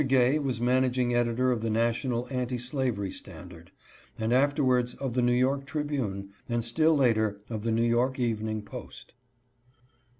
Gay was managing editor of the National Anti Slavery Standard, and afterwards of the New York Tribune, and still later of the New York Evening Post.